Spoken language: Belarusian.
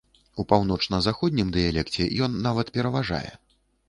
У паўночна-заходнім дыялекце ён нават пераважае.